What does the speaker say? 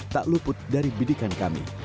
tak luput dari bidikan kami